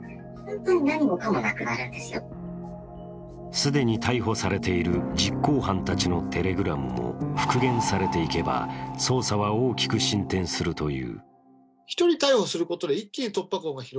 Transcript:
既に逮捕されている実行犯たちのＴｅｌｅｇｒａｍも復元されていけば捜査は大きく進展するという。